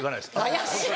怪しい。